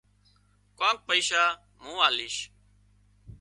ڪانڪ پئيشا مُون آليش